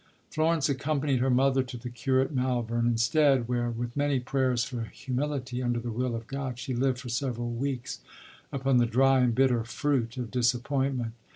Florence accompanied her mother to the cure at Malvern instead, where, with many prayers for humility under the will of God, she lived for several weeks upon the dry and bitter fruit of disappointment.